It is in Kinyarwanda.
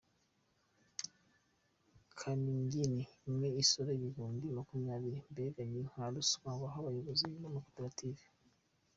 Kaningini imwe isora ibihumbi makumyabiri, mbega ni nka ruswa baha abayobozi b’amakoperative.